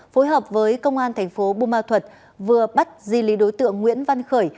phối hợp với công an thành phố bù ma thuật vừa bắt di lý đối tượng nguyễn văn khởi